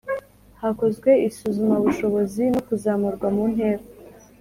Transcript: Hakozwe isuzumabushobozi no kuzamurwa mu ntera.